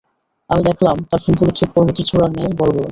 আমি দেখলাম, তার ফুলগুলো ঠিক পর্বতের চূড়ার ন্যায় বড় বড়।